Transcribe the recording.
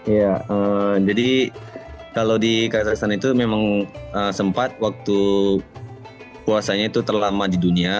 ya jadi kalau di kazakhstan itu memang sempat waktu puasanya itu terlama di dunia